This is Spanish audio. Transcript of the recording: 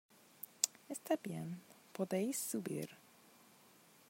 Está bien, podéis subir.